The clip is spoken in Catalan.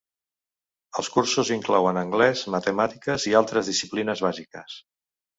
Els cursos inclouen anglès, matemàtiques i altres disciplines bàsiques.